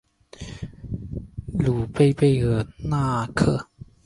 卢贝贝尔纳克。